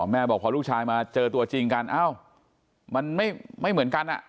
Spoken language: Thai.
แม่บอกพอลูกชายมาเจอตัวจริงกันอ้าวมันไม่เหมือนกัน